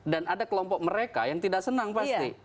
dan ada kelompok mereka yang tidak senang pasti